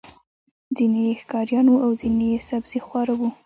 ځینې یې ښکاریان وو او ځینې یې سبزيخواره وو.